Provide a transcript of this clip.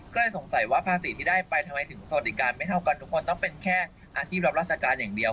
ก็เลยสงสัยว่าภาษีที่ได้ไปทำไมถึงสวัสดิการไม่เท่ากันทุกคนต้องเป็นแค่อาชีพรับราชการอย่างเดียว